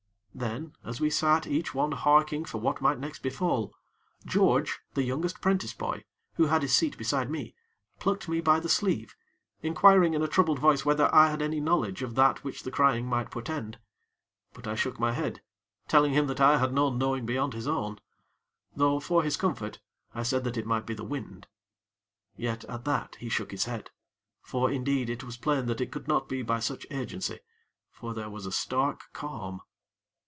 Then, as we sat each one harking for what might next befall, George, the youngest 'prentice boy, who had his seat beside me, plucked me by the sleeve, inquiring in a troubled voice whether I had any knowledge of that which the crying might portend; but I shook my head, telling him that I had no knowing beyond his own; though, for his comfort, I said that it might be the wind. Yet, at that, he shook his head; for indeed, it was plain that it could not be by such agency, for there was a stark calm.